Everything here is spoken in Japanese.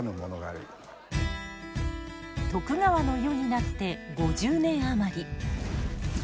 徳川の世になって５０年余り。